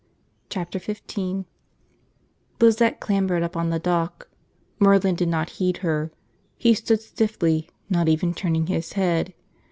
Chapter Fifteen LIZETTE clambered up on the dock. Merlin did not heed her. He stood stiffly, not even turning his head.